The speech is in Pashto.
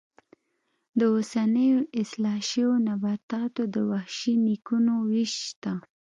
د اوسنیو اصلاح شویو نباتاتو د وحشي نیکونو وېش شته.